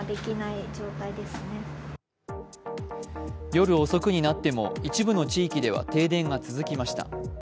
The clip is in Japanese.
夜遅くになっても、一部の地域では停電が続きました。